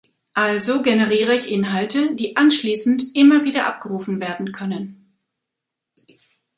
Also generiere ich Inhalte, die anschließend immer wieder abgerufen werden können.